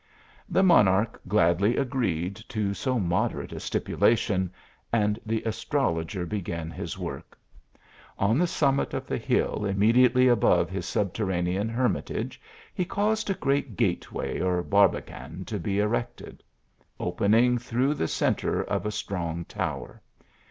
The monarch gladly agreed to so moderate a stip ulation, and the astrologer began his work. On the summit of the hill immediately above his subterra nean hermitage he caused a great gateway or barbi can to be erected ; opening through the centre of a strong tower.